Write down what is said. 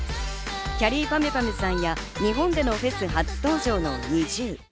きゃりーぱみゅぱみゅさんや、日本でのフェス初登場のＮｉｚｉＵ。